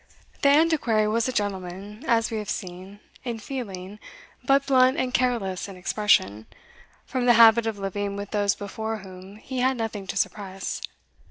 The Antiquary was a gentleman, as we have seen, in feeling, but blunt and careless in expression, from the habit of living with those before whom he had nothing to suppress.